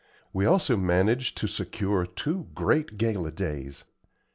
We also managed to secure two great gala days.